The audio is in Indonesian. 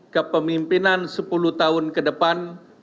kepemimpinan sepuluh tahun ke depan